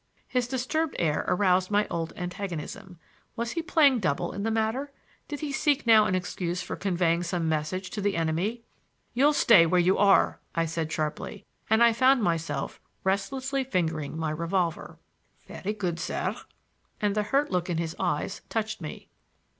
His disturbed air aroused my old antagonism. Was he playing double in the matter? Did he seek now an excuse for conveying some message to the enemy? "You'll stay where you are," I said sharply, and I found myself restlessly fingering my revolver. "Very good, sir,"—and the hurt look in his eyes touched me.